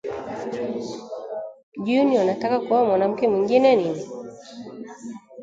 Junior anataka kuoa mwanamke mwingine nini?